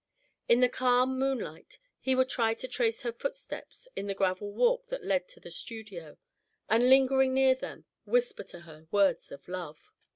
In the calm moonlight he would try to trace her footsteps in the gravel walk that led to the studio, and, lingering near them, whisper to her words of love.